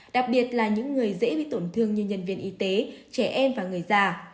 đặc biệt là những người dễ bị tổn thương như nhân viên y tế trẻ em và người già